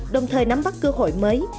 đồng thời nắm bắt cơ hội mới